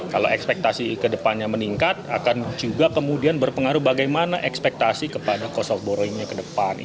kalau ekspektasi ke depannya meningkat akan juga kemudian berpengaruh bagaimana ekspektasi kepada cost of boroingnya ke depan